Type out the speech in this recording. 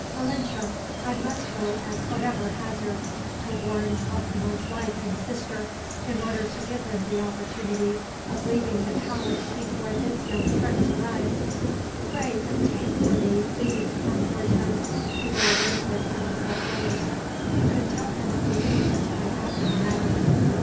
"Malinche, I must go at whatever hazard to warn Cacama's wife and sister, in order to give them the opportunity of leaving the palace before this young prince arrives. Pray obtain for me leave from Cortez to go away for twenty four hours. You can tell him of the interest I have in the matter."